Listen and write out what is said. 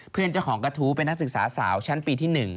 เจ้าของกระทู้เป็นนักศึกษาสาวชั้นปีที่๑